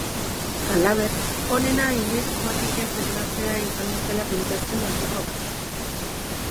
Halaber, onena inoiz komatik ez esnatzea izango zela pentsatzen hasiko da.